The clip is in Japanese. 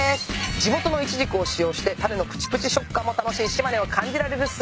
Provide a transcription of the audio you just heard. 地元のイチジクを使用して種のぷちぷち食感も楽しい島根を感じられるスイーツです。